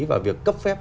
và việc cấp phép